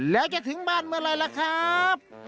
แล้วจะถึงบ้านเมื่อไหร่ล่ะครับ